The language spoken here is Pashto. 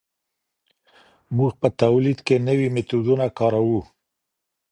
موږ په تولید کي نوي میتودونه کاروو.